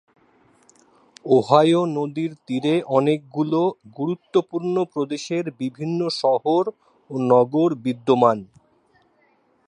Ohio নদীর তীরে অনেকগুলো গুরুত্বপূর্ণ প্রদেশের বিভিন্ন শহর ও নগর বিদ্যমান।